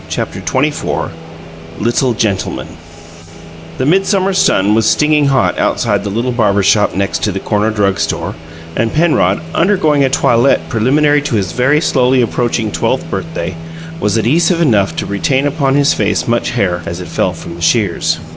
CHAPTER XXIV "LITTLE GENTLEMAN" The midsummer sun was stinging hot outside the little barber shop next to the corner drug store and Penrod, undergoing a toilette preliminary to his very slowly approaching twelfth birthday, was adhesive enough to retain upon his face much hair as it fell from the shears.